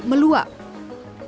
meluas dan menyebabkan kegagalan